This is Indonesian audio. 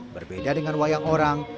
berbeda dengan wayang orang